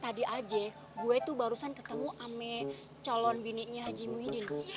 tadi aja gue tuh barusan ketemu ama calon bininya haji muhyiddin